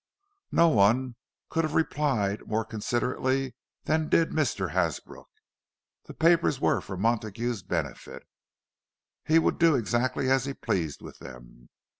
No one could have replied more considerately than did Mr. Hasbrook. The papers were for Montague's benefit—he would do exactly as he pleased with them.